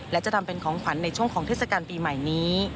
และจะทำเป็นของขวัญในช่วงของเทศกาลปีใหม่นี้